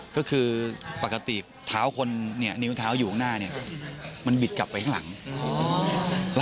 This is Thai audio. ก็คือปกตินิ้วเท้าอยู่ข้างหน้ามันบิดกลับไปห้างหลัง